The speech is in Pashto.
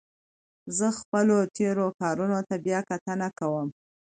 زه خپلو تېرو کارونو ته بیا کتنه کوم.